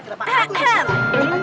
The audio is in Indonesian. kenapa aku yang pilih tempat